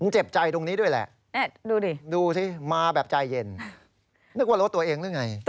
เจ็บใจตรงนี้ด้วยแหละดูดิดูสิมาแบบใจเย็นนึกว่ารถตัวเองหรือไง